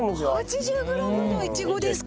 ８０ｇのイチゴですか！